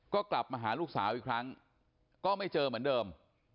ก็กลับมาหาลูกสาวอีกครั้งก็ไม่เจอเหมือนเดิม